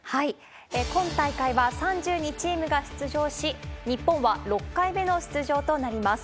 今大会は３２チームが出場し、日本は６回目の出場となります。